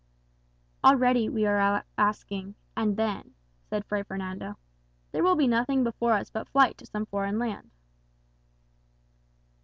"Already we are all asking, 'And then?'" said Fray Fernando. "There will be nothing before us but flight to some foreign land."